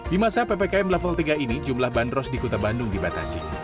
di masa ppkm level tiga ini jumlah bandros di kota bandung dibatasi